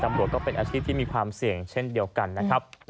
ก็เป็นอาชีพที่มีความเสี่ยงเช่นเดียวกันนะครับ